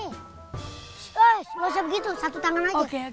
eh lo bisa begitu satu tangan aja